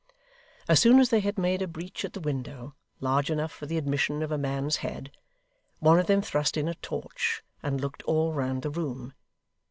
As soon as they had made a breach at the window, large enough for the admission of a man's head, one of them thrust in a torch and looked all round the room.